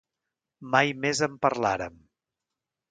Mai més en parlàrem.